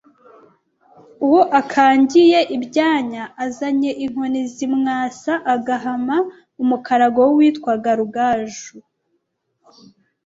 Uwo akangiye ibyanya azanye Inkoni zimwasa agahama umukarago n’uwitwaga Rugaju